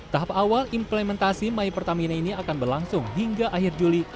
tahap awal implementasi my pertamina ini akan berlangsung hingga akhir juli